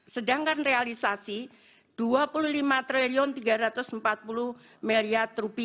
sedangkan realisasi rp dua puluh lima tiga ratus enam belas